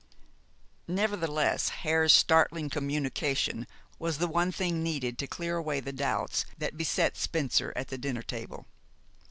Nevertheless, Hare's startling communication was the one thing needed to clear away the doubts that beset Spencer at the dinner table.